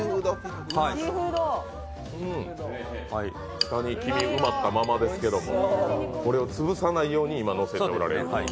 下に黄身埋まったままですけど、これを潰さないように入れてらっしゃる。